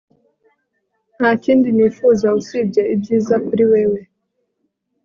nta kindi nifuza usibye ibyiza kuri wewe